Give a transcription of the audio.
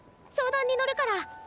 相談に乗るから。